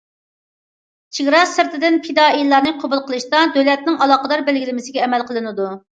چېگرا سىرتىدىن پىدائىيلارنى قوبۇل قىلىشتا، دۆلەتنىڭ ئالاقىدار بەلگىلىمىسىگە ئەمەل قىلىنىدۇ.